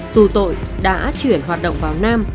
tù tội đã chuyển hoạt động vào nam